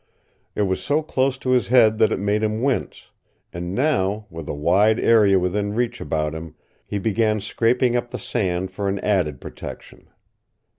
It was so close to his head that it made him wince, and now with a wide area within reach about him he began scraping up the sand for an added protection.